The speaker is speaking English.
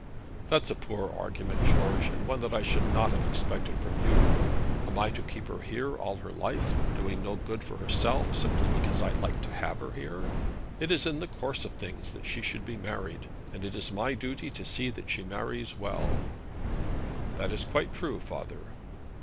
'That's a poor argument, George, and one that I should not have expected from you. Am I to keep her here all her life, doing no good for herself, simply because I like to have her here? It is in the course of things that she should be married, and it is my duty to see that she marries well.' 'That is quite true, father.'